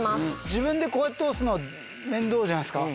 自分でこうやって押すのは面倒じゃないですか。